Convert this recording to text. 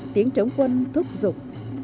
tiếng chống quân thúc giục